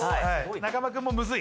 中間君もむずい？